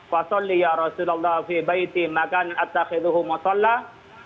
fasolliya rasulullah fi bayti makanin atakhiduhum wa sallah